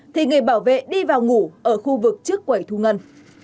thì người bảo vệ đi vào ngủ ở khu vực trước quẩy thu ngân